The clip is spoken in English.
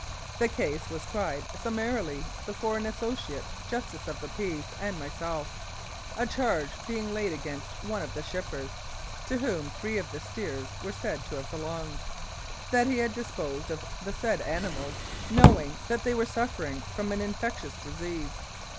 The case was tried summarily before an Associate Justice of the Peace and myself, a charge being laid against one of the shippers (to whom three of the steers were said to have belonged) that he had disposed of the said animals knowing that they were suffering from an infectious disease.